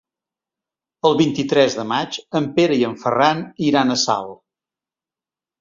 El vint-i-tres de maig en Pere i en Ferran iran a Salt.